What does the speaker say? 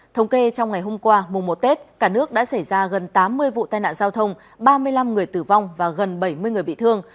thống kê trong ngày hôm qua mùa một tết cả nước đã xảy ra gần tám mươi vụ tai nạn giao thông ba mươi năm người tử vong và gần bảy mươi người bị thương